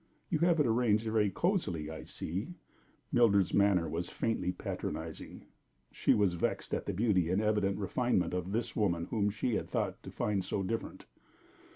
You have it arranged very cozily, I see." Mildred's manner was faintly patronizing. She was vexed at the beauty and evident refinement of this woman whom she had thought to find so different.